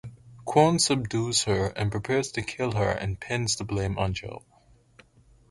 Kwon subdues her and prepares to kill her and pins the blame on Jo.